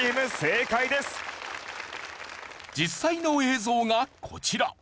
実際の映像がこちら。